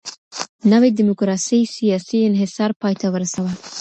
نوي ډيموکراسۍ سياسي انحصار پای ته ورساوه.